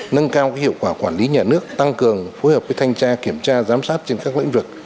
nâng cao hiệu quả quản lý nhà nước tăng cường phối hợp với thanh tra kiểm tra giám sát trên các lĩnh vực